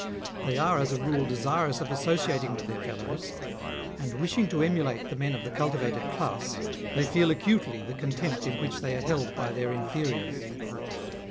They are as a rule desirous of associating with their fellows, and wishing to emulate the men of the cultivated class, they feel acutely the contempt in which they are held by their inferiors.